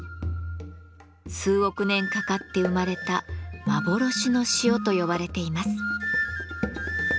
数億年かかって生まれた「幻の塩」と呼ばれています。